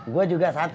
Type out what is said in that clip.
gue juga satu